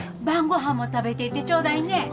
晩ごはんも食べていってちょうだいね。